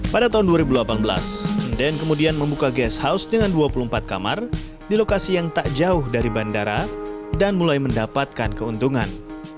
pada tahun dua ribu delapan belas den kemudian membuka gas house dengan dua puluh empat kamar di lokasi yang tak jauh dari bandara dan mulai mendapatkan keuntungan